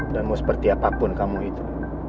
dan mau seperti apapun kamu itu